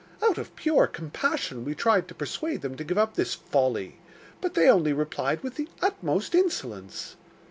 Out of pure compassion we tried to persuade them to give up this folly; but they only replied with the utmost insolence.